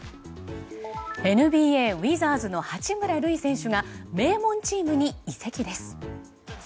ＮＢＡ、ウィザーズの八村塁選手が名門チームに移籍です。